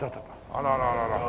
あらららら。